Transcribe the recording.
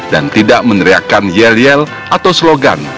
dan tidak meneriakan yel yel atau slogan